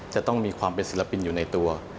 จะต้องมีความเป็นศิลปินอยู่ในตัว